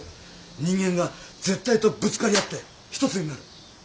人間が絶対とぶつかり合ってひとつになる。